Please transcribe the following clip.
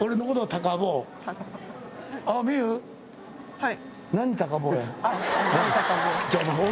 はい。